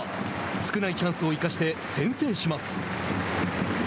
少ないチャンスを生かして先制します。